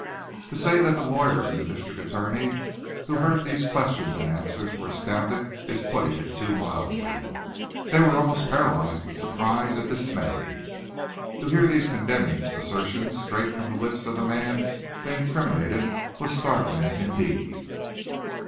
To say that the lawyer and the district attorney, who heard these questions and answers, were astounded, is putting it too mildly. They were almost paralyzed with surprise and dismay. To hear these condemning assertions straight from the lips of the man they incriminated was startling indeed.